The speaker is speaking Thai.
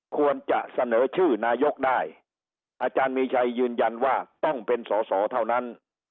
ควรจะเสนอชื่อนายกได้อาจารย์มีชัยยืนยันว่าต้องเป็นสอสอเท่านั้น